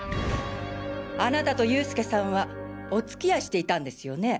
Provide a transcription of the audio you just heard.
あなたと佑助さんはお付き合いしていたんですよね